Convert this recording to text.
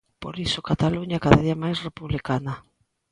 Por iso Cataluña é cada día máis republicana.